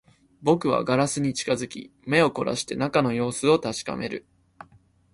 僕はガラスに近づき、目を凝らして中の様子を確かめる